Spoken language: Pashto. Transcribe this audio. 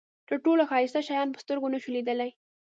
تر ټولو ښایسته شیان په سترګو نشو لیدلای.